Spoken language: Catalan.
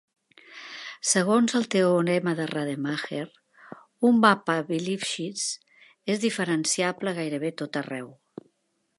Segons el teorema de Rademacher, un mapa bilipschitz és diferenciable a gairebé tot arreu.